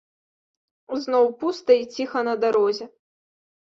Зноў пуста і ціха на дарозе.